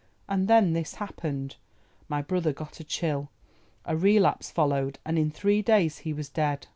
And then this happened:—My brother got a chill, a relapse followed, and in three days he was dead.